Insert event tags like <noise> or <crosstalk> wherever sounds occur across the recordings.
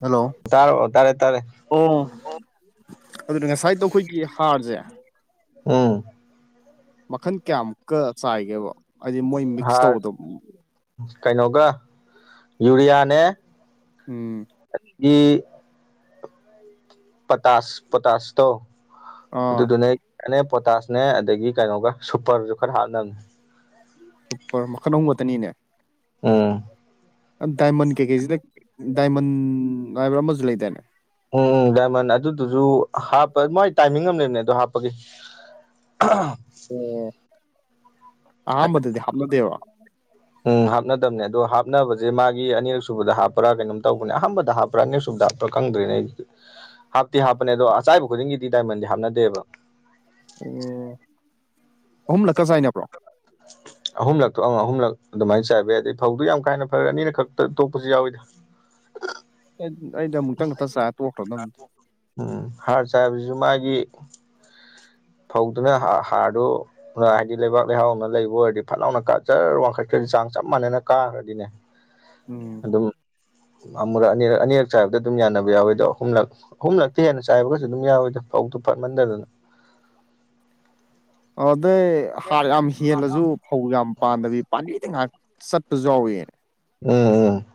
hello ꯇꯔꯕ ꯇꯥꯔꯦ ꯇꯔꯦ ꯑꯣ ꯑꯗꯨꯅ ꯉꯁꯥꯏꯗꯣ ꯑꯩꯈꯣꯏꯒꯤ ꯍꯥꯔꯁꯦ ꯎꯝ ꯃꯈꯟ ꯀꯌꯥꯃꯨꯛꯀ ꯆꯥꯏꯒꯦꯕ ꯍꯥꯏꯗꯤ ꯃꯣꯏ ꯃꯤꯛꯁ ꯍꯥꯔ ꯇꯧꯕꯗꯣ ꯀꯩꯅꯣꯒ ꯌꯨꯔꯤꯌꯥꯅꯦ ꯎꯝ <unintelligible> ꯄꯣꯇꯥꯁ ꯄꯣꯇꯥꯁꯇꯣ ꯑꯥ ꯑꯗꯨꯗꯨꯅ <unintelligible> ꯄꯣꯇꯥꯁꯅꯦ ꯑꯗꯒꯤ ꯀꯩꯅꯣꯒ ꯁꯨꯄꯔꯁꯨ ꯈꯔ ꯍꯥꯞꯅꯕꯅꯦ <unintelligible> ꯃꯈꯜ ꯑꯍꯨꯝ ꯈꯇꯅꯤꯅꯦ ꯎꯝ ꯗꯥꯏꯃꯟ ꯀꯩ ꯀꯩꯖꯤꯗ ꯗꯥꯏꯃꯟ ꯍꯥꯏꯕ꯭ꯔꯥ ꯑꯃꯁꯨ ꯂꯩꯗꯥꯅꯦ ꯎꯝ ꯎ ꯗꯥꯏꯃꯟ ꯑꯗꯨꯗꯨꯁꯨ ꯍꯥꯞꯄ ꯃꯥꯏ ꯇꯥꯏꯃꯤꯡ ꯑꯃ ꯂꯩꯕꯅꯦ ꯑꯗꯣ ꯍꯥꯞꯄꯒꯤ ꯑ ꯑꯣ ꯑꯍꯝꯕꯗꯗꯤ ꯍꯥꯞꯅꯗꯦꯕ ꯎꯝ ꯍꯥꯞꯅꯗꯕꯅꯦ ꯑꯗꯣ ꯍꯥꯞꯅꯕꯁꯦ ꯃꯥꯒꯤ ꯑꯅꯤꯔꯛ ꯁꯨꯕꯗ ꯍꯥꯞꯄ꯭ꯔꯥ ꯀꯩꯅꯣꯝ ꯇꯧꯕꯅꯦ ꯑꯍꯥꯟꯕꯗ ꯍꯥꯞꯄ꯭ꯔꯥ ꯑꯅꯤꯁꯨꯕꯗ ꯍꯥꯄ ꯈꯪꯗ꯭ꯔꯤꯅꯦ ꯑꯩ ꯍꯥꯞꯇꯤ ꯍꯥꯞꯄꯅꯦ ꯑꯗꯣ ꯑꯆꯥꯏꯕ ꯈꯨꯗꯤꯡꯒꯤꯗꯤ ꯗꯥꯏꯃꯟꯖꯦ ꯍꯥꯞꯅꯗꯦꯕ ꯑꯣ ꯑꯍꯨꯝꯂꯛꯀ ꯆꯥꯏꯅꯕ꯭ꯔꯣ ꯑꯍꯨꯝꯂꯛꯇꯣ ꯑ ꯑꯍꯨꯝꯂꯛ ꯑꯗꯨꯃꯥꯏꯅ ꯆꯥꯏꯕ ꯌꯥꯏ ꯑꯗꯩ ꯐꯧꯗꯤ ꯌꯥꯝ ꯀꯥꯏꯅ ꯐꯔꯦ ꯑꯅꯤꯔꯛ ꯈꯛꯇ ꯇꯣꯛꯄꯁꯨ ꯌꯥꯎꯏꯗ ꯑꯩꯩꯅ ꯑꯃꯨꯛꯇꯪ ꯈꯛꯇ ꯆꯥꯛ ꯇꯣꯛꯈ꯭ꯔꯣ ꯅꯕꯦ ꯎꯝ ꯍꯥꯔ ꯆꯥꯏꯕꯁꯨ ꯃꯥꯒꯤ ꯐꯧꯗꯨꯅ ꯍꯥ ꯍꯥꯔꯗ ꯍꯥꯏꯗꯤ ꯂꯩꯕꯥꯛ ꯂꯩꯍꯥꯎꯅ ꯂꯩꯕ ꯑꯣꯏꯔꯗꯤ ꯐꯠꯅꯥꯥꯎꯅ ꯀꯥꯆꯔ ꯋꯥꯡꯈꯠꯀꯗꯤ ꯆꯥꯡ ꯆꯞ ꯃꯥꯟꯅꯅ ꯀꯥꯈ꯭ꯔꯗꯤꯅꯦ ꯎꯝ ꯑꯗꯨꯝ ꯑꯃꯨꯔꯛ ꯑꯅꯤꯔꯛ ꯑꯅꯤꯔꯛ ꯆꯥꯏꯕꯗ ꯑꯗꯨꯝ ꯌꯥꯅꯕ ꯌꯥꯎꯋꯦ ꯑꯗꯣ ꯑꯍꯨꯝꯂꯛ ꯑꯍꯨꯝꯂꯛꯇꯩ ꯍꯦꯟꯅ ꯆꯥꯏꯕꯒꯁꯨ ꯑꯗꯨꯝ ꯌꯥꯎꯋꯣꯏꯗ ꯐꯧꯗꯨꯣ ꯐꯠꯃꯟꯗꯗꯅ ꯑꯗꯩ ꯍꯥꯔ ꯌꯥꯝ ꯍꯦꯜꯂꯁꯨ ꯐꯧ ꯌꯥꯝ ꯄꯥꯟꯗꯕꯤ ꯄꯥꯝꯕꯤꯗ ꯉꯥꯏꯍꯥꯛꯇ ꯆꯠꯄꯖꯋꯥꯋꯣꯏ ꯎꯝ ꯎꯝ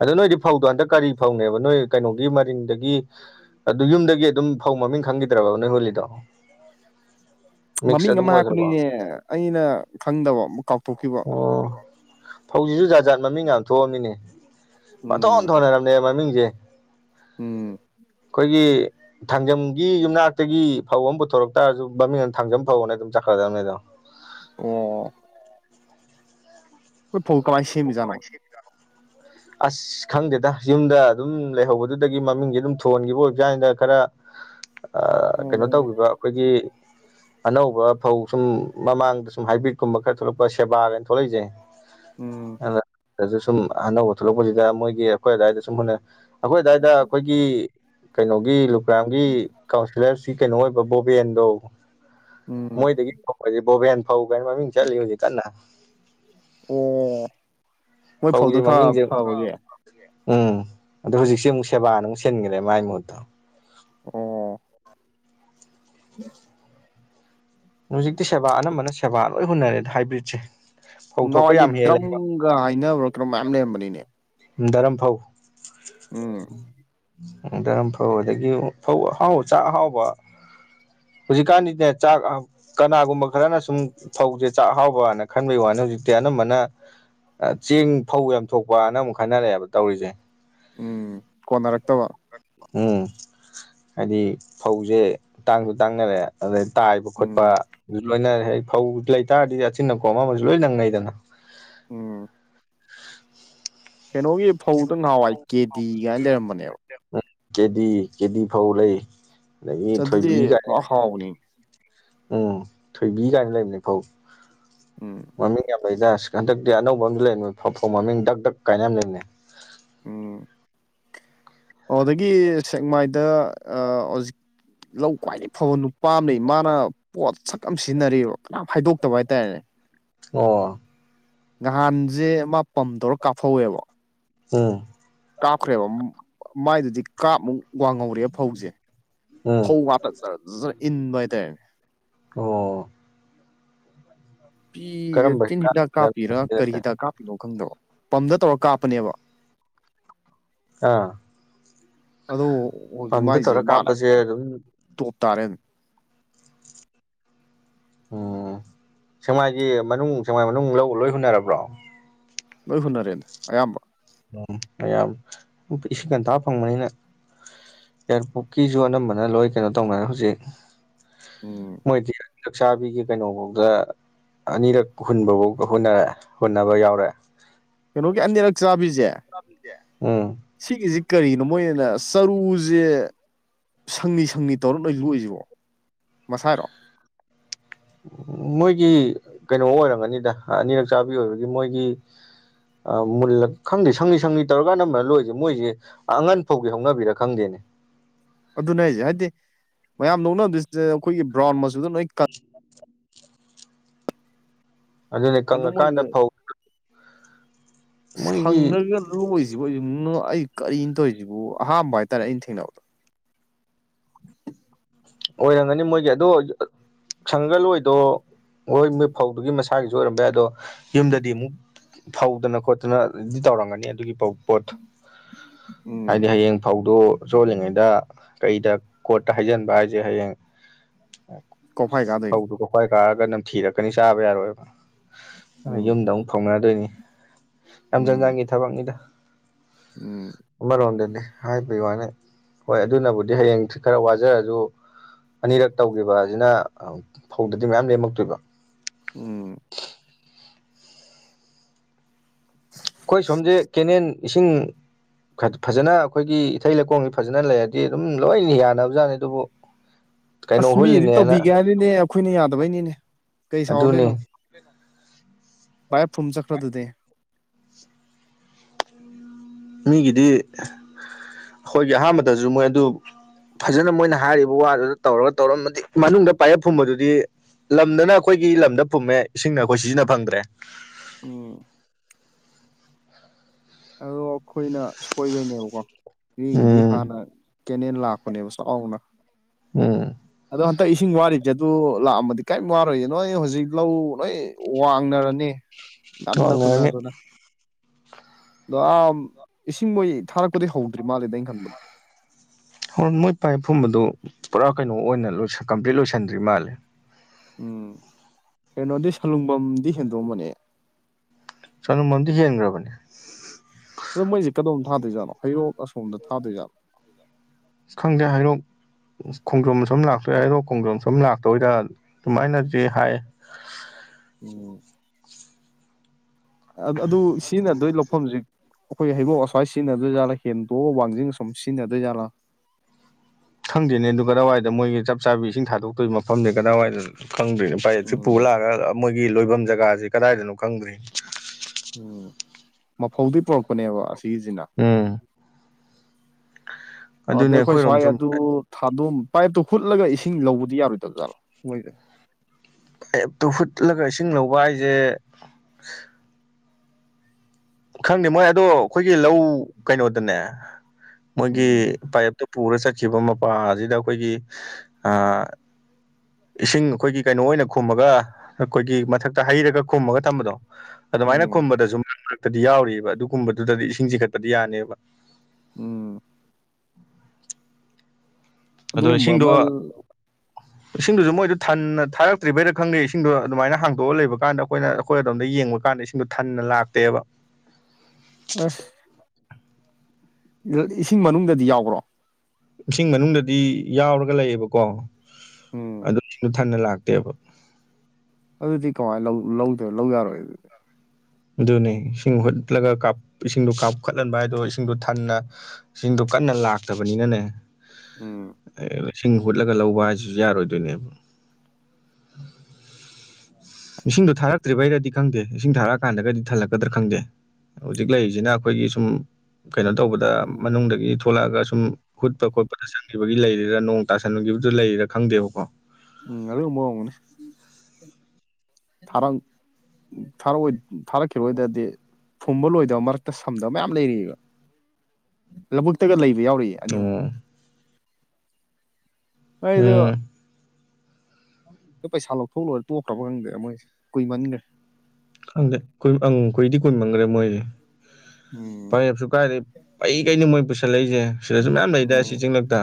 ꯑꯗ ꯅꯣꯏꯗꯤ ꯐꯧꯗꯣ ꯍꯟꯗꯛ ꯀꯔꯤ ꯐꯧꯅꯦꯕ ꯅꯣꯏ ꯀꯩꯅꯣꯒꯤ ꯃꯔꯤꯡꯗꯒꯤ ꯑꯗꯨ ꯌꯨꯝꯗꯒꯤ ꯑꯗꯨꯝ ꯐꯧ ꯃꯃꯤꯡ ꯈꯪꯈꯤꯗ꯭ꯔꯕ ꯅꯣꯏ ꯍꯣꯂꯤꯗꯣ ꯃꯃꯤꯡ ꯑꯃ ꯑꯣꯏꯈ꯭ꯔꯕꯣ ꯍꯥꯄꯅꯤꯅꯦ ꯑꯩꯅ ꯈꯪꯗꯕ ꯑꯃꯨꯛ ꯀꯥꯎꯊꯣꯛꯈꯤꯕ ꯐꯧꯖꯤꯁꯨ ꯖꯥꯖꯥꯠ ꯃꯃꯤꯡ ꯌꯥꯝ ꯊꯣꯛꯑꯝꯃꯤꯅꯦ ꯄꯊꯣꯟ ꯎꯝ ꯊꯣꯟꯅꯔꯝꯅꯦ ꯃꯃꯤꯡꯁꯦ ꯎꯝ ꯑꯩꯈꯣꯏꯒꯤ ꯊꯥꯡꯖꯝꯒꯤ ꯌꯨꯝꯅꯥꯛꯇꯒꯤ ꯐꯧ ꯑꯃ ꯄꯨꯊꯣꯔꯛꯇꯥꯔꯁꯨ ꯃꯃꯤꯡꯅ ꯊꯥꯡꯖꯝ ꯐꯧꯅ ꯑꯗꯨꯝ ꯆꯠꯀꯗꯕꯅꯦ ꯑꯗꯣ ꯑꯣ <unintelligible> ꯐꯧ ꯀꯥ ꯃꯥꯏꯁꯤꯃꯤꯖꯣ ꯑꯁ ꯈꯪꯗꯦꯗ ꯌꯨꯝꯗ ꯑꯗꯨꯝ ꯂꯩꯍꯧꯕꯗꯨꯗꯒꯤ ꯃꯃꯤꯡꯁ ꯑꯗꯨꯝ ꯊꯣꯟꯈꯤꯕ ꯑꯣꯏꯕ ꯀꯥꯟꯗ ꯈꯔ <inaudible> ꯀꯩꯅꯣ ꯑꯣ ꯇꯧꯈꯤꯕ ꯑꯩꯈꯣꯏꯒꯤ ꯑꯅꯧꯕ ꯐꯧ ꯁꯨꯝ ꯃꯃꯥꯡꯗ ꯁꯨꯝ ꯍꯥꯏꯕ꯭ꯔꯤꯠꯀꯨꯝꯕ ꯈꯔ ꯊꯣꯛꯂꯛꯄ ꯁꯦꯕꯥꯒꯅ ꯊꯣꯛꯂꯛꯏꯁꯦ ꯎꯝ ꯁꯨꯝ ꯑꯟꯅꯧꯕ ꯊꯣꯛꯂꯛꯄꯁꯤꯗ ꯃꯣꯏꯒꯤ ꯑꯩꯈꯣꯏ ꯑꯋꯥꯏꯗ ꯁꯨꯝ ꯍꯨꯟꯅ ꯑꯩꯈꯣꯏ ꯑꯗꯨꯗꯥꯋꯥꯏꯗ ꯑꯩꯈꯣꯏꯒꯤ ꯀꯩꯅꯣꯒꯤ ꯂꯨꯀ꯭ꯔꯥꯝꯒꯤ ꯀꯥꯎꯟꯁꯤꯜꯂꯔꯁꯤ ꯀꯩꯅꯣ ꯑꯣꯏꯕ ꯕꯣꯕꯦꯟꯗꯣ ꯎꯝ ꯃꯣꯏꯗꯒꯤ ꯐꯁꯦ ꯕꯣꯕꯦꯟ ꯐꯧ ꯀꯥꯏꯅ ꯃꯃꯤꯡ ꯆ ꯍꯧꯖꯤꯦ ꯀꯥꯟꯅ ꯑꯣ ꯃꯣꯏ ꯐꯧꯒꯤꯗꯤ ꯐꯧꯗꯨꯅ ꯈꯔ ꯃꯃꯤꯡꯁꯦ ꯐꯕꯒꯤ ꯎꯝ ꯑꯗꯣ ꯍꯧꯖꯤꯛꯁ ꯑꯃꯨꯛ ꯁꯦꯕꯥꯅ ꯑꯃꯨꯛ ꯁꯤꯟꯈꯔꯦ ꯃꯥꯏ ꯃꯍꯨꯠꯇꯣ ꯑꯣ <inaudible> ꯍꯧꯖꯤꯛꯇꯤ ꯁꯦꯕꯥ ꯑꯅꯝꯕꯅ ꯁꯦꯕꯥ ꯂꯣꯏ ꯍꯨꯟꯅꯔꯦꯗ ꯍꯥꯏꯕ꯭ꯔꯤꯠꯁꯦ ꯐꯧ ꯊꯣꯛꯄ ꯌꯥꯝ ꯍꯦꯜꯂꯦꯕ ꯍꯥꯏꯅꯔꯛꯇ꯭ꯔꯣ ꯃꯌꯥꯝ ꯂꯩꯔꯝꯕꯅꯤꯅꯦ ꯗꯔꯝꯐꯧ ꯎꯝ ꯑꯗꯨꯌꯥꯝ ꯐꯕꯗꯒꯤ ꯑꫭ ꯐꯧ ꯑꯍꯥꯎꯕ ꯆꯥꯛ ꯑꯍꯥꯎꯕ ꯍꯧꯖꯤꯛꯀꯥꯟꯗꯤꯅꯦ ꯆꯥꯛ ꯑ ꯀꯅꯥꯒꯨꯝꯕ ꯈꯔꯅ ꯁꯨꯝ ꯐꯧꯖꯦ ꯆꯥꯛ ꯍꯥꯎꯕꯅ ꯈꯟꯕꯩ ꯋꯥꯅꯤ ꯍꯧꯖꯤꯛꯇꯤ ꯑꯅꯝꯕꯅ ꯑ ꯆꯦꯡ ꯐꯧ ꯌꯥꯝ ꯊꯣꯛꯄꯅ ꯑꯃꯨꯛ ꯈꯟꯅꯔꯛꯑꯦꯕ ꯇꯧꯔꯤꯖꯦ ꯎꯝ ꯀꯣꯟꯅꯔꯛꯇꯕ ꯎꯝ ꯍꯥꯏꯗꯤ ꯐꯧꯖꯦ ꯇꯥꯡꯖꯨ ꯇꯥꯡꯅꯔꯛꯑꯦ ꯑꯗꯩ ꯇꯥꯏꯕ ꯈꯣꯠꯄ ꯎꯝ ꯑꯗꯨ ꯂꯣꯏꯅ ꯐꯧ ꯂꯩꯇꯥꯥꯔꯗꯤ ꯑꯆꯤꯟ ꯑꯀꫭꯝ ꯑꯃꯃꯖꯨ ꯂꯣꯏ ꯅꯪꯅꯩꯗꯅ ꯎꯝ ꯀꯩꯅꯣꯒꯤ ꯐꯧꯗ ꯉꯍꯥꯟꯋꯥꯏ ꯀꯦ ꯗꯤ ꯀꯥꯏꯅ ꯂꯩꯔꯝꯕꯅꯦꯕ ꯀꯦꯗꯤ ꯀꯦꯗꯤ ꯐꯧ ꯂꯩ ꯑꯗꯒꯤ ꯑꯗꯨꯗꯤ ꯊꯣꯏꯕꯤ ꯀꯥꯏꯅ ꯍꯎꯕꯅꯤ ꯎꯝ ꯊꯣꯏꯕꯤ ꯀꯥꯏꯅ ꯂꯩꯕꯅꯦ ꯐꯧ ꯎꯝ ꯃꯃꯤꯡ ꯌꯥꯝ ꯂꯩꯗꯁ ꯍꯟꯗꯛꯇꯤ ꯑꯅꯧꯕ ꯑꯝꯁꯨ ꯂꯩꯕꯅꯤ ꯐꯧ ꯃꯃꯤꯡ ꯗꯛ ꯗꯛ ꯀꯥꯏꯅ ꯑꯃ ꯂꯩꯕꯅꯦ ꯑꯣꯗꯒꯤ ꯁꯦꯛꯃꯥꯏꯗ ꯍꯧꯖꯤꯛ ꯂꯧ ꯈ꯭ꯋꯥꯏꯗꯒꯤ ꯐꯕ ꯅꯨꯄꯥꯥꯝꯅꯩ ꯃꯥꯅ ꯄꯣꯠ ꯁꯛ ꯑꯃ ꯁꯤꯖꯤꯟꯅꯔꯤꯑꯕ ꯀꯅꯥꯝ ꯍꯥꯏꯗꯣꯛꯇꯕ ꯍꯥꯏꯇꯥꯔꯦꯅꯦ ꯑꯣ ꯅꯍꯥꯟꯖꯦ ꯑꯃ ꯄꯝꯇꫡꯔ ꯀꯥꯞꯐꯧ ꯋꯦꯕ ꯎꯝ ꯀꯥꯞꯈ꯭ꯔꯦꯕ ꯃꯥꯏꯗꯨꯗꯤ ꯀꯥꯞꯃꯨꯛ ꯋꯥꯡꯍꯧꯔꯦ ꯐꯧꯖꯦ ꯎꯝ ꯐꯧ ꯋꯥꯇꯛꯇꯔ ꯖꯔ ꯏꯟꯕ ꯍꯥꯏꯇꯥꯔꯦ ꯑꯣ ꯐꯤ ꯏꯔꯇꯤꯟ ꯍꯤꯗꯥꯛ ꯀꯥꯞꯄꯤꯔꯥ ꯀꯔꯤ ꯍꯤꯗꯥꯛ ꯀꯥꯞꯄꯤꯅꯣ ꯈꯪꯗꯕ ꯄꯝꯗ ꯇꯧꯔ ꯀꯥꯞꯄꯅꯦꯕ ꯑꯥ ꯑꯗꯣ ꯑꫭꯏꯖꯨ ꯄꯝꯗ ꯃꯥꯏꯖꯦ ꯇꯧꯔ ꯕꯥꯛ ꯀꯥꯞꯄꯁꯦ ꯑꯗꯨꯝ ꯇꯣꯞ ꯇꯥꯔꯦ ꯎꯝ ꯁꯦꯛꯃꯥꯏꯒꯤ ꯃꯅꯨꯡ ꯁꯦꯛꯃꯥꯏ ꯃꯅꯨꯡ ꯂꯧ ꯂꯣꯏ ꯍꯨꯟꯅꯔꯕ꯭ꯔꯣ ꯂꯣꯏ ꯍꯨꯟꯅꯔꯦꯗ ꯑꯌꯥꯝꯕ ꯎꯝ ꯃꯌꯥꯝ ꯏꯁꯤꯡ ꯉꯟꯇꯥꯥ ꯐꯪꯕꯅꯤꯅ ꯌꯥꯏꯔꯤꯄꯣꯛꯀꯤꯖꯨ ꯑꯅꯝꯕꯅ ꯂꯣꯏ ꯀꯩꯅꯣ ꯇꯧꯅꯔꯦ ꯍꯧꯖꯤꯛ ꯎꯝ ꯃꯣꯏꯗꯤ ꯆꯛꯆꯥꯕꯤꯒꯤ ꯀꯩꯅꯣꯕꯧꯗ ꯑꯅꯤꯔꯛ ꯍꯨꯟꯕꯕꯨꯛ ꯍꯨꯟꯅꯔꯦ ꯍꯨꯟꯅꯕ ꯌꯥꯎꯔꯦ ꯀꯩꯅꯣꯒꯤ ꯑꯅꯤꯔꯛ ꯆꯥꯕꯤꯖꯦ ꯎꯝ ꯁꯤꯒꯤꯖꯦ ꯀꯔꯤꯅꯣ ꯃꯣꯏꯅ ꯆꯔꯨꯖꯦ ꯁꯪꯂꯤ ꯁꯪꯂꯤ ꯇꯧꯔ ꯂꯣꯏ ꯂꯣꯛꯏꯖꯤꯕꯣ ꯍ <inaudible> <unintelligible> <unintelligible> ꯃꯣꯏꯒꯤ ꯀꯩꯅꯣ ꯑꯣꯏꯔꯝꯒꯅꯤꯗ ꯑꯅꯤꯔꯛ ꯆꯥꯕꯤ ꯑꯣꯏꯕꯒꯤ ꯃꯣꯏꯒꯤ ꯑ ꯃꯨꯜꯂ ꯈꯪꯗꯦ ꯁꯪꯂꯤ ꯁꯪꯂꯤ ꯇꯧꯔꯒꯥꯟ ꯑꯅꯝꯕꯅ ꯂꯣꯛꯏꯖꯦ ꯃꯣꯏꯖꯦ ꯑꯉꯟ ꯐꯧꯒꯤ ꯍꯧꯅꯕꯤꯔ ꯈꯪꯗꯦꯅꯦ ꯑꯗꯨꯅꯦ ꯍꯥꯏꯖꯦ ꯍꯥꯏꯗꯤ ꯃꯌꯥꯝ ꯂꫭꯛꯅꯕꯗꯤ ꯆꯦ ꯑꯩꯈꯣꯏꯒꯤ ꯕ꯭ꯔꯥꯎꯟ ꯃꯆꯨꯗ ꯂꫭꯏ ꯀꯪ <inaudible> ꯑꯗꯨꯅꯦ ꯑꯗꯨ ꯀꯪꯉ ꯀꯥꯟꯗ ꯐꯧ ꯃꯣꯏꯒꯤ ꯁꯪꯅꯕꯤꯒ ꯂꫭꯏ ꯂꫭꯛꯏꯖꯤꯕꯨ ꯑꯩꯖꯦ ꯉꯛꯑꯩ ꯀꯔꯤꯅꫭ ꯇꯧꯖꯤꯕꫭ ꯑꯍꯥꯝꯕ ꯍꯥꯏꯇꯥꯔꯦ ꯑꯩꯅ ꯊꯦꯡꯅꯕꯗꯣ <unintelligible> <inaudible> ꯑꯣꯏꯔꯝꯒꯅꯤ ꯃꯣꯏꯒꯤ ꯑꯗꯣ ꯁꯪꯉꯒ ꯂꫭꯛꯏꯗꫭ ꯍꯣꯏꯃꯦ ꯐꯧꯗꯨꯒꯤ ꯃꯁꯥꯒꯤꯖꯨ ꯑꯣꯏꯔꯝꯕ ꯌꯥꯏ ꯑꯗꯣ ꯌꯨꯝꯗꯗꯤ ꯑꯃꯨꯛ ꯐꯧꯗꯅ ꯈꯣꯠꯇꯅꯗꯤ ꯇꯧꯔꯝꯒꯅꯤ ꯑꯗꯨꯒꯤ ꯐꯧ ꯄꯣꯠꯇꯣ ꯎꯝ ꯍꯥꯏꯗꯤ ꯍꯌꯦꯡ ꯐꯧꯗꫭ ꯆꯣꯠꯂꯤꯉꯩꯗ ꯀꯩꯗ ꯀꯣꯠꯇ ꯍꯩꯖꯤꯟꯕ ꯍꯥꯏꯖꯦ ꯍꯌꯦꯡ ꯀꯣꯐꯥꯏ ꯀꯥꯗꯣꯏꯅꯤ ꯐꯧꯗꯨ ꯀ ꯈ꯭ꯋꯥꯏ ꯀꯥꯔꯒ ꯅꯝ ꯊꯤꯔꯛꯀꯅꯤ ꯆꯥꯕ ꯌꯥꯔꯣꯏꯕ ꯎꯝ ꯌꯨꯝꯗ ꯑꯃꯨꯛ ꯐꯥꯎꯅꯗꯣꯏꯅꯤ ꯌꯥꯝ ꯎꯝ ꯆꯥꯟꯖꯥꯡꯒꯤ ꯊꯕꯛꯅꯤꯗ ꯎꯝ ꯑꯃꯔꯣꯝꯗꯗꯤ ꯍꯥꯏꯕꯤꯌꯨ ꯍꯥꯏꯅꯤ ꯍꯣꯏ ꯑꯗꯨꯅꯕꯨꯗꯤ ꯍꯌꯦꯡꯁꯤ ꯈꯔ ꯋꯥꯖꯔꯁꯨ ꯑꯅꯤꯔꯛ ꯇꯧꯈꯤꯕ ꯑꯁꯤꯅ ꯐꯧꯗꯗꯤ ꯃꯌꯥꯝ ꯂꯦꯝꯃꯛꯇꯣꯏꯕ ꯎꯝ ꯑꯩꯈꯣꯏ ꯁꯣꯝꯁꯦ ꯀꯦꯅꯦꯦꯟ ꯏꯁꯤꯡ ꯐꯖꯅ ꯑꯩꯈꯣꯏꯒꯤ ꯏꯊꯩ ꯂꯩꯀꫭꯟꯒ ꯐꯖꯅ ꯂꯩꯔꯗꯤ ꯑꯗꯨꯝ ꯂꯣꯏꯅ ꯌꯥꯅꯕꯖꯥꯠꯅꯤ ꯑꯗꯨꯕꯨ ꯑꯁ ꯀꯩꯅꯣ ꯃꯤꯒꯤꯗꯤ ꯍꯨꯜꯂꯤꯅꯦꯅ ꯇꯧꯕꯤꯒꯦ ꯍꯥꯏꯕꯅꯤꯅꯦ ꯑꯩꯈꯣꯏꯅ ꯌꯥꯗꯕꯩꯅꯤꯅꯦ ꯀꯩ ꯑꯗꯨꯅꯤ ꯁꯥꯎꯔꯨꯗꯣꯏꯅꯣ ꯗꯥꯏꯔꯦꯛ ꯐꯨꯝ ꯆꯠꯈ꯭ꯔꯗꯨꯗꯤ ꯃꯤꯒꯤꯗꯤ ꯑꯩꯈꯣꯏꯒꯤ ꯑꯍꯥꯟꯕꯗꯖꯨ ꯃꯣꯏ ꯑꯗꯨ ꯐꯖꯅ ꯃꯣꯏꯅ ꯍꯥꯏꯔꯤꯕ ꯋꯥꯗꯨꯗ ꯇꯧꯔꯒ ꯇꯧꯔꯝꯃꯗꯤ ꯃꯅꯨꯡꯗ ꯄꯥꯏꯌꯦꯞ ꯐꯨꯝꯕꯗꯨꯗꯤ ꯂꯝꯗꯅ ꯑꯩꯈꯣꯏꯒꯤ ꯂꯝꯗ ꯐꯨꯝꯃꯦ ꯏꯁꯤꯡꯅ ꯑꯩꯈꯣꯏ ꯁꯤꯖꯤꯟꯅ ꯐꯪꯗ꯭ꯔꯦ ꯎꯝ ꯑꯗꯣ ꯑꯩꯈꯣꯏꯅ ꯁꯣꯏꯕꯩꯅꯦꯕꯀꯣ ꯃꯤꯒꯤꯗꯤ ꯎꯝ ꯍꯥꯟꯅ ꯀꯦꯅꯦꯜ ꯂꯥꯛꯄꯅꯦꯕ ꯆꯥꯎꯅ ꯎꯝ ꯑꯗꯣ ꯍꯟꯗꯛ ꯏꯁꯤꯡ ꯋꯥꯔꯤꯕꯁꯦ ꯑꯗꯨ ꯂꯥꯛꯑꯃꯗꯤ ꯀꯔꯤꯝ ꯋꯥꯔꯣꯏꯏ ꯅꯣꯏ ꯍꯧꯖꯤꯛ ꯂꯧ ꯅꯣꯏ ꯋꯥꯡꯅꯔꯅꯤ ꯉꯟꯅ ꯋꯥꯡꯅꯔꯅꯤ ꯍꯨꯅꯗꯨꯅ ꯑꯗꯣ ꯏꯁꯤꯡ ꯃꯩ ꯊꯥꯔꯛꯄꯗꯤ ꯍꯧꯗ꯭ꯔꯤ ꯃꯥꯜꯂꯦꯗ ꯑꯩꯅ ꯈꯟꯕꯗ ꯍꯦꯟ ꯅꯣꯏ ꯄꯥꯏꯞ ꯐꯨꯝꯕꯗꯨ ꯄꯨꯔꯥ ꯀꯩꯅꯣ ꯑꯣꯏꯅ ꯀꯝꯄ꯭ꯂꯤꯠ ꯂꯣꯏꯁꯟꯗ꯭ꯔꯤ ꯃꯥꯜꯂꯦ ꯎꯝ ꯀꯩꯅꯣꯗꯤ ꯁꯂꯨꯡꯐꯝꯝꯗꯤ ꯁꯦꯟꯗꯣꯡꯝꯕꯅꯦ ꯁꯅꯨꯃꯟꯗꯤ ꯍꯦꯟꯈ꯭ꯔꯕꯅꯦ ꯑꯗ ꯃꯣꯏꯁ ꯀꯣꯝ ꯊꯗꯣꯏꯖꯥꯅꯣ ꯍꯩꯣꯛ ꯑꯁꯣꯝꯗ ꯊꯥꯗꯣꯏꯖꯥꯠꯣ ꯈꯪꯗꯦ ꯍꯥꯏꯔꯣ ꯈꯣꯡꯖ꯭ꯔꯣꯝ ꯁꯨꯝ ꯂꯥꯛꯇꯣꯏꯑꯦ ꯍꯥꯏꯗꯣ ꯈꯣꯡꯖꯣꯝ ꯁꯨꯝ ꯂꯥꯛꯇꯣꯏꯗ ꯑꯗꯨꯃꯥꯏꯅꯗꯤ ꯍꯥꯏ ꯑꯣ ꯑꯗꯨ ꯁꯤꯅ ꯑꯗꯨꯣꯏ ꯂꯧꯐꯝꯁꯤ ꯑꯩꯈꯣꯏꯒꯤ ꯍꯩꯕꯣꯛ ꯑꯁ꯭ꯋꯥꯏ ꯁꯤꯖꯤꯟꯅꯗꯣꯏꯖꯥꯠꯂꯥ ꯍꯦꯟꯗꯣꯛꯑ ꯋꯥꯡꯖꯤꯡ ꯑ ꯁꯨꯝ ꯁꯤꯖꯤꯟꯅꯗꯣꯏꯖꯥꯠꯂꯥ ꯈꯪꯗꯣꯏꯅꯦ ꯑꯗꯨ ꯀꯗꯥꯏꯋꯥꯏꯗ ꯃꯣꯏꯒꯤ ꯆꯞ ꯆꯥꯕꯤ ꯏꯁꯤꯡ ꯊꯥꯗꯣꯛꯇꯣꯏ ꯃꯐꯝꯁ ꯀꯗꯥꯏꯋꯥꯏꯗ ꯈꯪꯗ꯭ꯔꯤꯅꯦ ꯄꯥꯏꯁꯤꯔꯤ ꯄꯨ ꯎꯝ ꯂꯥꯛꯑꯒ ꯃꯣꯏꯒꯤ ꯂꯣꯏꯐꯝ ꯖꯒꯥꯁꯤꯦ ꯀꯗꯥꯏꯗꯅꯣ ꯈꯪꯗ꯭ꯔꯤꯅꯤ ꯎꯝ ꯃꯐꯧꯗꯤ ꯄꯨꯔꯛꯄꯅꯦꯕ ꯑꯁꯤꯒꯤꯁꯤꯅ ꯑꯝ ꯑꯗꯩ ꯑꯗꯨꯅꯦ ꯑꯩꯈꯣꯏ ꯁ꯭ꯋꯥꯏ ꯑꯩꯈꯣꯏꯔꯣꯝ ꯁꯨꯝ ꯑꯗꯨ ꯊꯥꯗꯝ ꯄꯥꯏꯞꯇꯨ ꯍꯨꯠꯂꯒ ꯏꯁꯤꯡ ꯂꯧꯕꯗꯤ ꯌꯥꯔꯣꯏꯗꯕ ꯖꯥꯠꯂꯣ ꯃꯣꯏꯁꯦ ꯇꯨꯐꯨꯠꯂꯒ ꯏꯁꯤꯡ ꯂꯧꯕ ꯍꯥꯏꯁꯦ ꯈꯪꯗꯦ ꯃꯣꯏ ꯑꯗꯣ ꯑꯩꯈꯣꯏꯒꯤ ꯂꯧ ꯀꯩꯅꯣꯗꯅꯦ ꯃꯣꯏꯒꯤ ꯎꯝ ꯄꯥꯏꯞꯇꯣ ꯄꯨꯔ ꯆꯠꯈꯤꯕ ꯃꯄꯥ ꯑꯁꯤꯗ ꯑꯩꯈꯣꯏꯒꯤ ꯏꯁꯤꯡ ꯑꯩꯈꯣꯏꯒꯤ ꯀꯩꯅꯣ ꯑꯣꯏꯅ ꯈꯨꯝꯃꯒ ꯑꯩꯈꯣꯏꯒꯤ ꯃꯊꯛꯇ ꯍꯩꯔꯒ ꯈꯨꯝꯃꯒ ꯊꯝꯕꯗꯣ ꯑꯗꯨꯃꯥꯏꯅ ꯎꯝ ꯈꯨꯝꯕꯗꯁꯨ ꯃ ꯃꯔꯛꯇꯗꯤ ꯌꯥꯎꯔꯤꯔꯤꯕ ꯑꯗꯨꯒꯨꯝꯕꯗꯨꯗꯗꯤ ꯏꯁꯤꯡ ꯆꯤꯡꯈꯠꯄꯗꯤ ꯌꯥꯅꯦꯕ ꯎꯝ ꯑꯗ ꯑꯗꯨꯒꯨꯝꯕ ꯏꯁꯤꯡꯗꯣ ꯑꯃ <inaudible> ꯏꯁꯤꯡꯗꯨꯁꯨ ꯃꯣꯏꯗꯨ ꯊꯟꯅ ꯊꯥꯔꯛꯇ꯭ꯔꯤꯕꯩꯗ ꯈꯪꯗꯦ ꯏꯁꯤꯡꯗꯣ ꯑꯗꯨꯃꯥꯏꯅ ꯍꯥꯡꯇꯣꯛꯑ ꯂꯩꯕꯀꯥꯟꯗ ꯑꯩꯈꯣꯏꯅ ꯑꯩꯈꯣꯏ ꯑꯗꯣꯝꯗ ꯌꯦꯡꯕ ꯀꯥꯟꯗꯁꯤꯡ ꯑꯗꯨ ꯊꯟꯅ ꯂꯥꯛꯇꯦꯕ ꯑꯁ ꯏꯁꯤꯡ ꯃꯅꯨꯡꯗꯗꯤ ꯌꯥꯎꯕ꯭ꯔꯣ ꯏꯁꯤꯡ ꯃꯅꯨꯡꯗꯗꯤ ꯌꯥꯎꯔꯒ ꯂꯩꯌꯦꯕꯀꯣ ꯎꯝ ꯊꯅ ꯂꯥꯛꯇꯦꯕ ꯑꯗꯨꯗꯤ ꯀꯃꯥꯏꯅ ꯂꯧꯗꯣꯏꯅꯣ ꯂꯧ ꯌꯥꯔꯣꯏ ꯑꯗꯨꯗꯤ ꯑꯗꯨꯅꯤ ꯏꯁꯤꯡ ꯍꯨꯠꯂꯒ ꯏꯁꯤꯡꯗꯣ ꯀꯥꯞꯈꯠꯍꯟꯕ ꯍꯥꯏꯗꯣ ꯏꯁꯤꯡꯗꯣ ꯊꯟꯅ ꯁꯤꯡꯗꯣ ꯀꯟꯅ ꯂꯥꯛꯇꯕꯅꯤꯅꯅꯦ ꯎꯝ ꯂꯤꯁꯤꯡ ꯍꯨꯠꯂꯒ ꯂꯧꯕ ꯍꯥꯏꯁꯤꯁꯨ ꯌꯥꯔꯣꯏꯗꯣꯏꯅꯦꯕ ꯏꯁꯤꯡꯗꯣ ꯊꯥꯔꯛꯇ꯭ꯔꯤꯕꯩꯔꯗꯤ ꯈꯪꯗꯦ ꯏꯁꯤꯡ ꯊꯥꯔꯛꯑꯀꯥꯟꯗꯒꯗꯤ ꯊꯜꯂꯛꯀ꯭ꯔ ꯈꯪꯗꯦ ꯍꯧꯖꯤꯛ ꯂꯩꯔꯤꯁꯤꯅ ꯑꯩꯈꯣꯏꯒꯤ ꯁꯨꯝ ꯀꯩꯅꯣ ꯇꯧꯕꯗ ꯎꯝ ꯃꯅꯨꯡꯗꯒꯤ ꯊꯣꯛꯂꯛꯑꯒ ꯁꯨꯝ ꯍꯨꯠꯄ ꯈꯣꯠꯄꯗ ꯆꯪꯈꯤꯕꯒꯤ ꯂꯩꯔꯤꯔꯥ ꯅꯣꯡ ꯇꯥꯁꯟꯨꯈꯤꯕꯗꯨ ꯂꯩꯔꯤꯔꯥ ꯈꯪꯗꯦꯕꯀꯣ ꯎꯝ ꯑꯗꯨꯒꯨꯝꯕ ꯑꯣꯏꯔꯝꯒꯅꯤ ꯊꯥꯔꯪ ꯊꯥꯔꯛꯑꯣꯏ ꯊꯥꯔꯛꯇꯤꯔꯣꯏꯗꯗꯤ ꯐꯨꯝꯕ ꯂꯣꯏꯗꯕ ꯃꯔꯛꯇ ꯊꯝꯗꯕ ꯃꯌꯥꯝ ꯂꯩꯔꯤꯑꯕ ꯂꯧꯕꯨꯛꯇꯒ ꯂꯩꯕ ꯌꯥꯎꯔꯤ ꯑꯅꯤ ꯑꯍꯨꯝ ꯑꯣ ꯍꯣꯏꯗꯨ ꯎꯝ ꯅ ꯄꯩꯁꯥ ꯂꯧꯊꯣꯛꯂꯣꯏꯦ ꯇꯣꯛꯈ꯭ꯔꯕ ꯈꯪꯗꯦ ꯃꯣꯏꯦ ꯀꯨꯏꯃꯟꯈ꯭ꯔꯦ ꯈꯪꯗꯦ ꯑꯈꯨꯏꯗꯤ ꯀꯣꯏꯏꯃꯪꯈ꯭ꯔꯦ ꯃꯣꯏꯗꯤꯦ ꯎꯝ ꯐꯔꯦꯞꯁꯨ ꯀꯥꯏꯔꯦ ꯑꯩ ꯀꯩꯅ ꯃꯣꯏ ꯄꯨꯁꯜꯂꯛꯏꯁꯦ ꯁꯤꯗꯁꯨ ꯃꯌꯥꯝ ꯂꯩꯗ ꯁꯤ ꯎꯝ ꯆꯤꯡꯂꯛꯇ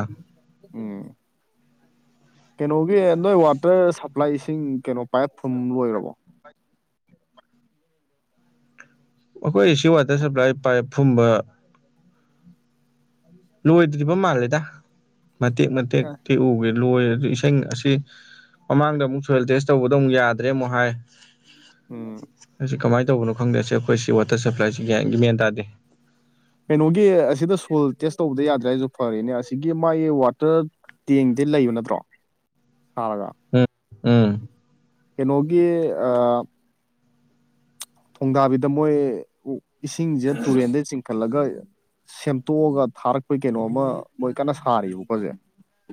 ꯎꯝ ꯀꯩꯅꯣꯒꯤ ꯅꯣꯏ ꯋꯥꯇꯔ ꯁꯄ꯭ꯂꯥꯏꯁꯤꯡ ꯀꯩꯅꯣ ꯄꯥꯏꯞ ꯐꯨꯝ ꯂꯣꯏꯔꯕꯣ ꯑꯩꯈꯣꯏ ꯁꯤ ꯋꯥꯇꯔ ꯁꯄ꯭ꯂꯥꯏ ꯄꯥꯏꯞ ꯐꯨꯝꯕ ꯂꯣꯏꯗ꯭ꯔꯤꯕ ꯃꯥꯜꯂꯦꯗ ꯃꯇꯦꯛ ꯃꯇꯦꯛ ꯇꯦꯛ ꯎꯒꯦ ꯂꯣꯏ ꯑꯁꯤ ꯃꯃꯥꯡꯗ ꯑꯃꯨꯛ ꯁꯣꯏꯌꯦꯜ ꯇꯦꯁ ꯇꯧꯕꯗ ꯑꯃꯨꯛ ꯌꯥꯗ꯭ꯔꯦ ꯑꯃꯨꯛ ꯍꯥꯏ ꯎꯝ ꯑꯁꯤ ꯀꯃꯥꯏꯅ ꯇꯧꯕꯅꯣ ꯈꯪꯗꯦꯁꯦ ꯑꯩꯈꯣꯏꯁꯤ ꯋꯥꯇꯔ ꯁꯄ꯭ꯂꯥꯏꯁꯤ ꯒ꯭ꯌꯥꯒꯤ ꯃꯦꯟ ꯇꯥꯗꯦ ꯀꯩꯅꯣꯒꯤ ꯑꯁꯤꯗ ꯁꯣꯜ ꯇꯦꯁ ꯇꯧꯕꯗ ꯌꯥꯗ꯭ꯔꯦ ꯍꯥꯏꯁꯨ ꯐꯔꯅꯦ ꯑꯁꯤꯒꯤ ꯃꯥꯒꯤ ꯋꯥꯇꯔ ꯇꯦꯡꯗꯦ ꯂꯩꯕ ꯅꯠꯇ꯭ꯔꯣ ꯊꯥꯔꯒ ꯎꯝ ꯎꯝ ꯀꯩꯅꯣꯒꯤ ꯑ ꯊꯣꯡꯗꯥꯕꯤꯗ ꯃꯣꯏ ꯏꯁꯤꯡꯁꯦ ꯇꯨꯔꯦꯟꯗ ꯆꯤꯡ ꯈꯠꯂꯒ ꯁꯦꯝꯇꯣꯛꯑꯒ ꯊꯥꯔꯛꯄꯩ ꯀꯩꯅꯣ ꯑꯃ ꯃꯣꯏ ꯀꯟꯅ ꯁꯥꯔꯤꯕꯀꯣ ꯍꯧꯖꯤꯛ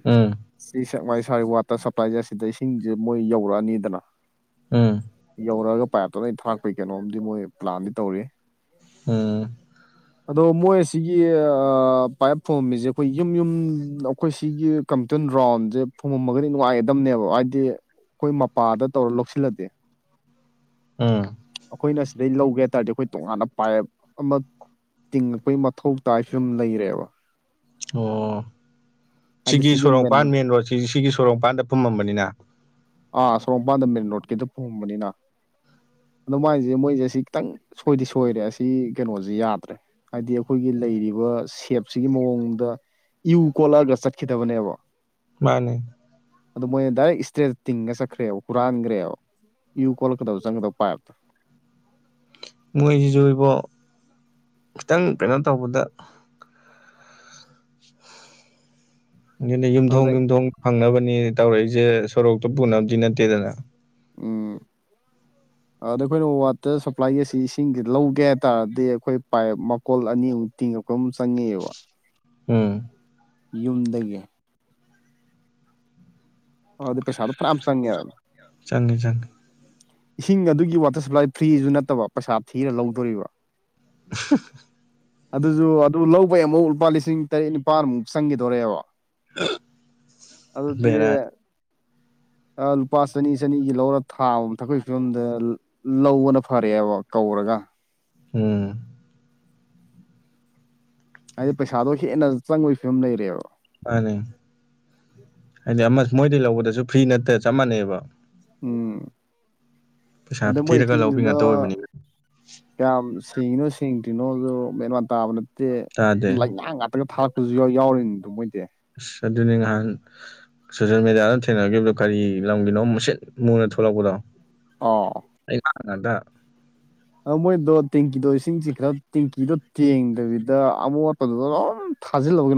ꯎꯝ ꯁꯤ ꯁꯦꯛꯃꯥꯏ ꯁ꯭ꯋꯥꯏ ꯋꯥꯇꯔ ꯁꯄ꯭ꯂꯥꯏꯁꯦ ꯑꯁꯤꯗ ꯏꯁꯤꯡꯁꯦ ꯃꯣꯏ ꯌꯧꯔꯛꯑꯅꯤꯗꯅ ꯎꯝ ꯌꯧꯔꯛꯑꯒ ꯄꯥꯏꯞꯇꯣ ꯂꯣꯏ ꯊꯥꯔꯛꯄꯒꯤ ꯀꯩꯅꯣꯝꯗꯤ ꯃꯣꯏ ꯄ꯭ꯂꯥꯟꯗꯤ ꯇꯧꯔꯤ ꯎꯝ <inaudible> ꯑꯗꯣ ꯃꯣꯏ ꯑꯁꯤꯒꯤꯒꯤ ꯑ ꯄꯥꯏꯞ ꯐꯨꯝꯃꯝꯃꯤꯁꯦ ꯑꯩꯈꯣꯏ ꯌꯨꯝ ꯌꯨꯝ ꯑꯩꯈꯣꯏ ꯁꯤꯒꯤ ꯀꯝꯇꯟ ꯔꯥꯎꯟꯁꯦ ꯐꯨꯝꯃꯝꯃꯒꯗꯤ ꯅꯨꯡꯉꯥꯏꯒꯗꯕꯅꯦꯕ ꯍꯥꯏꯗꯤ ꯑꯩꯈꯣꯏ ꯃꯄꯥꯗ ꯇꯧꯔ ꯂꯧꯁꯤꯜꯂꯗꯤ ꯎꯝ ꯑꯩꯈꯣꯏꯅ ꯁꯤꯗꯩ ꯂꯧꯒꯦ ꯍꯥꯏ ꯇꯥꯔꯗꯤ ꯑꯩꯈꯣꯏ ꯇꯣꯉꯥꯟꯅ ꯄꯥꯏꯞ ꯑꯃ ꯇꯤꯡꯉꯛꯄꯒꯤ ꯃꯊꯧ ꯇꯥꯏ ꯐꯤꯕꯝ ꯂꯩꯔꯦꯕ ꯑꯣ ꯁꯤꯒꯤ ꯁꯣꯔꯣꯛꯄꯥꯟ ꯃꯦꯟ ꯔꯣꯗꯁꯤ ꯁꯤꯒꯤ ꯁꯣꯔꯣꯛꯃꯄꯥꯟꯗ ꯐꯨꯝꯃꯝꯕꯅꯤꯅ ꯑꯥ ꯁꯣꯔꯣꯛ ꯃꯄꯥꯟꯗ ꯃꯦꯟ ꯔꯣꯗꯀꯤꯗ ꯐꯨꯝꯕꯅꯤꯅ ꯑꯗꯨ ꯃꯥꯏꯁꯦ ꯃꯣꯏꯁꯦ ꯁꯤ ꯈꯤꯇꯪ ꯁꯣꯏꯗꯤ ꯁꯣꯏꯔꯦ ꯑꯁ ꯁꯤ ꯀꯩꯅꯣꯁꯤ ꯌꯥꯗ꯭ꯔꯦ ꯍꯥꯏꯗꯤ ꯑꯩꯈꯣꯏꯒꯤ ꯂꯩꯔꯤꯕ ꯁꯦꯞꯁꯤꯒꯤ ꯃꯑꯣꯡꯗ ꯏꯎ ꯀꯣꯜꯂꯛꯒ ꯆꯠꯈꯤꯗꯕꯅꯦꯕ ꯃꯥꯅꯦ ꯑꯗꯨ ꯃꯣꯏꯅ ꯗꯥꯏꯔꯦꯛ ꯏꯁꯇꯔ꯭ꯦꯠ ꯇꯤꯡꯒ ꯆꯠꯈ꯭ꯔꯦꯕ ꯍꯨꯔꯥꯟꯈ꯭ꯔꯦꯕ ꯏꯎ ꯀꯣꯂꯛꯀꯗꯕ ꯆꯪꯒꯗꯕ ꯄꯥꯏꯞꯇꯣ ꯃꯣꯏꯁꯤꯁꯨ ꯑꯩꯕꯣ ꯈꯤꯇꯪ ꯀꯩꯅꯣ ꯇꯧꯕꯗ ꯑꯗꯨꯅꯦ ꯌꯨꯝꯊꯣꯡ ꯑꯗꯨꯗꯩ ꯌꯨꯝꯊꯣꯡ ꯐꯪꯅꯕꯅꯤ ꯇꯧꯔꯛꯏꯁꯦ ꯁꯣꯔꯣꯛꯇ ꯄꯨꯅꯕꯗꯤ ꯅꯠꯇꯦꯗꯅ ꯎꯝ ꯑꯗꯨ ꯑꯩꯈꯣꯏꯅ ꯋꯥꯇꯔ ꯁꯄ꯭ꯂꯥꯏꯒ ꯑꯁꯤ ꯏꯁꯤꯡꯁꯤ ꯂꯧꯒꯦ ꯍꯥꯏꯇꯥꯔꯗꯤ ꯑꯩꯈꯣꯏ ꯄꯥꯏꯞ ꯀꯣꯜ ꯑꯅꯤ ꯑꯃꯨꯛ ꯇꯤꯡꯉꯛꯄ ꯑꯃꯨꯛ ꯆꯪꯉꯤꯑꯕ ꯎꯝ ꯌꯨꯝꯗꯒꯤ ꯑꯣ ꯑꯗꯨ ꯄꯩꯁꯥꯗꯣ ꯐꯥꯅꯌꯥꯝ ꯆꯡꯉꯦꯕ ꯆꯪꯉꯦ ꯆꯪꯉꯦ ꯏꯁꯤꯡ ꯑꯗꯨꯒꯤ ꯋꯥꯇꯔ ꯁꯄ꯭ꯂꯥꯏ ꯐ꯭ꯔꯤꯁꯨ ꯅꯠꯇꯕ ꯄꯩꯁꯥ ꯊꯤꯔ ꯂꯧꯗꯣꯔꯤꯕ <inaudible> ꯑꯗꯨꯁꯨ ꯑꯗꯨ ꯂꯧꯕꯩ ꯑꯃꯨꯛ ꯂꯨꯄꯥ ꯂꯤꯁꯤꯡ ꯇꯔꯦꯠ ꯅꯤꯄꯥꯜꯃꯨꯛ ꯆꯪꯈꯤꯗꯣꯔꯦꯕ ꯑꯗꯨꯗꯤ ꯕꯦꯔꯥ ꯂꯨꯄꯥ ꯆꯅꯤ ꯆꯅꯤꯒꯤ ꯂꯧꯔ ꯊꯥꯕ ꯊꯄꯒꯤ ꯐꯤꯕꯝꯗ ꯂꯧꯕꯅ ꯐꯔꯛꯑꯦꯕ ꯀꯧꯔꯒ ꯎꯝ ꯍꯥꯏꯗꯤ ꯄꯩꯁꯥꯗꯣ ꯍꯦꯟꯅ ꯆꯪꯕꯒꯤ ꯐꯤꯕꯝ ꯂꯩꯔꯦꯕ ꯃꯥꯅꯤ ꯍꯥꯏꯗꯤ ꯑꯃ ꯃꯣꯏꯗꯩ ꯂꯧꯕꯗꯁꯨ ꯐ꯭ꯔꯤ ꯅꯠꯇꯦ ꯆꯞ ꯃꯥꯟꯅꯩꯕ ꯎꯝ ꯄꯩꯁꯥ ꯑꯗ ꯃꯣꯏ ꯊꯤꯔꯒ ꯂꯧꯕꯤ ꯏꯁꯤꯡꯗꯨꯗ ꯉꯥꯛꯇ ꯑꯣꯏꯕꯅꯤꯅ ꯀꯌꯥꯝ ꯁꯦꯡꯉꯤꯅꯣ ꯁꯦꯡꯇ꯭ꯔꯤꯅꯣ ꯑꯗꯨ ꯃꯦꯟ ꯃꯥꯟ ꯇꯥꯕꯅ ꯇꯦ ꯇꯥꯗꯦ ꯂꯩꯅꯥꯡ ꯉꯥꯛꯇꯒ ꯊꯥꯔꯛꯄꯁꯨ ꯌꯥꯎꯔꯤꯅꯤꯗꯨ ꯃꯣꯏꯗꯤ ꯑꯁ ꯑꯗꯨꯅꯤ ꯅꯍꯥꯟ ꯁꯣꯁꯤꯦꯜ ꯃꯦꯗꯤꯌꯥꯗ ꯊꯦꯡꯅꯈꯤꯕꯗꯣ ꯀꯔꯤ ꯂꯝꯒꯤꯅꯣ ꯃꯨꯁꯤꯠ ꯃꯨꯅ ꯊꯣꯛꯂꯛꯄꯗꯣ ꯑꯣ ꯑꯩ ꯍꯥꯟꯅꯗ ꯃꯣꯏꯗꯣ ꯇꯦꯡꯀꯤꯗꯣ ꯏꯁꯤꯡꯁꯤ ꯈꯔ ꯇꯦꯡꯀꯤꯗꯣ ꯊꯦꯡꯗꯕꯤꯗ ꯑꯃꯣꯠꯄꯗꯨꯗ ꯑꯗꯨꯝ ꯊꯥꯖꯤꯜꯂꯕꯒꯅ